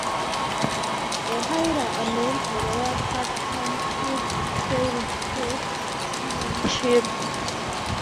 The Haida are known for their craftsmanship, trading skills, and seamanship.